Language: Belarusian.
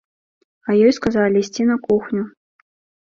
А ёй сказалі ісці на кухню.